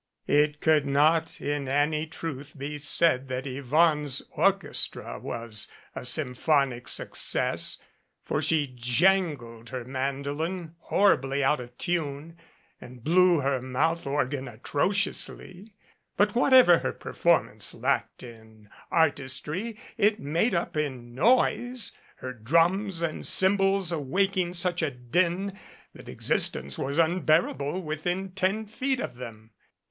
It could not in any truth be said that Yvonne's or 188 V A PHILOSOPHER IN A QUANDARY chestra was a symphonic success, for she jangled her man dolin horribly out of tune, and blew her mouth organ atrociously. But whatever her performance lacked in artistry it made up in noise, her drum and cymbals awak ing such a din that existence was unbearable within ten feet of them.